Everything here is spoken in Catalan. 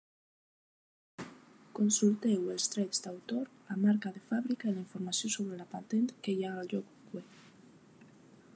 Consulteu els drets d'autor, la marca de fàbrica i la informació sobre la patent que hi ha al lloc web.